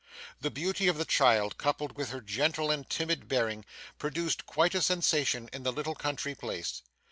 The beauty of the child, coupled with her gentle and timid bearing, produced quite a sensation in the little country place.